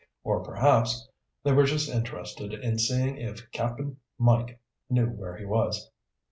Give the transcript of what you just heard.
Or perhaps they were just interested in seeing if Cap'n Mike knew where he was.